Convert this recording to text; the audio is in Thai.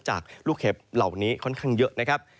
จากลูกเห็บเหล่านี้ค่อนข้างเยอะนะครับ